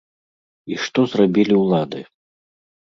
І што зрабілі ўлады?